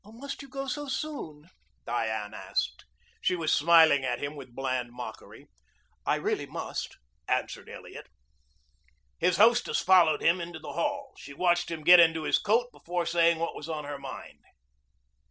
"Must you go so soon?" Diane asked. She was smiling at him with bland mockery. "I really must," answered Elliot. His hostess followed him into the hall. She watched him get into his coat before saying what was on her mind.